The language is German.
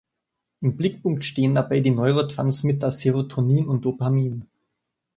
Im Blickpunkt stehen dabei die Neurotransmitter Serotonin und Dopamin.